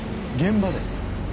現場で？